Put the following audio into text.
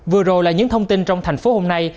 vừa rồi là những thông tin trong thành phố hôm nay